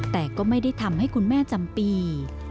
แต่ก็ไม่ได้ทำให้คุณแม่จำปี